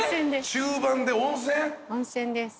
中盤で温泉？